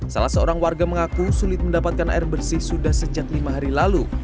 salah seorang warga mengaku sulit mendapatkan air bersih sudah sejak lima hari lalu